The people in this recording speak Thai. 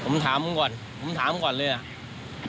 ผมถามก่อนเลยอะ